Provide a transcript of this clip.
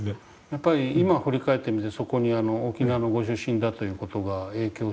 やっぱり今振り返ってみてそこに沖縄のご出身だという事が影響してると思いますか。